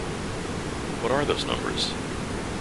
What are those numbers?